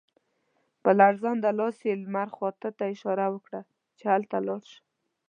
په لړزانده لاس یې لمر خاته ته اشاره وکړه چې هلته لاړ شم.